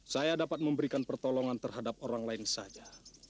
saya dapat memberikan pertolongan terhadap orang lain saja